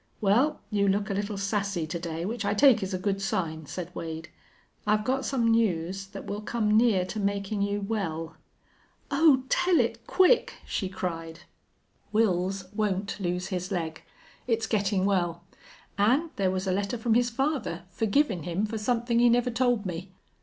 "Well, you look a little sassy to day, which I take is a good sign," said Wade. "I've got some news that will come near to makin' you well." "Oh, tell it quick!" she cried. "Wils won't lose his leg. It's gettin' well. An' there was a letter from his father, forgivin' him for somethin' he never told me."